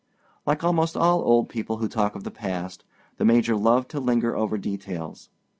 Like almost all old people who talk of the past, the Major loved to linger over details.